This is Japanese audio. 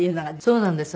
そうなんです。